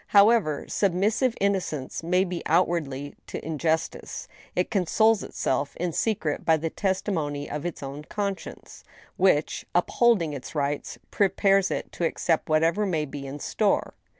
However submissive innocence may be out wardly to injustice, it consoles itself in secret by the testimony of its own conscience, which, upholding its rights, prepares it to accept whatever may be in store.